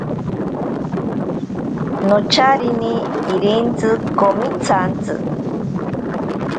Nocharine irintsi komitsantsi.